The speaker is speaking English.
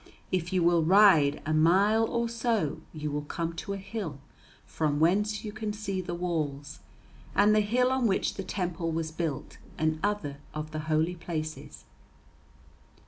If you will ride a mile or so you will come to a hill from whence you can see the walls, and the hill on which the temple was built and other of the Holy places."